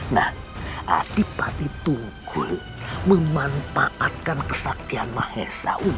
nah adipati tunggul memanfaatkan kesaktian mahesa